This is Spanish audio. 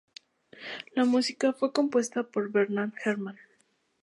La música fue compuesta por Bernard Herrmann.